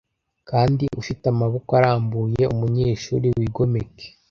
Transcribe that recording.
Kandi ufite amaboko arambuye umunyeshuri wigomeke